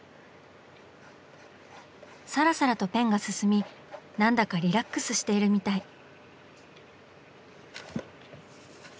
サラサラとペンが進み何だかリラックスしているみたい。